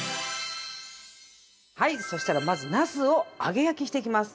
はいそしたらまずナスを揚げ焼きしていきます。